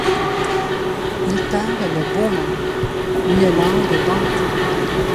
Ils parlent le boma, une langue bantoue.